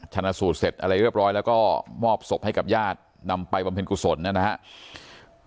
ชนะสูตรเสร็จอะไรเรียบร้อยแล้วก็มอบศพให้กับญาตินำไปบำเพ็ญกุศลนะครับ